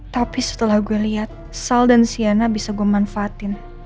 tapi setelah gue lihat sal dan siana bisa gue manfaatin